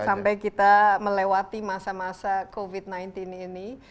sampai kita melewati masa masa covid sembilan belas ini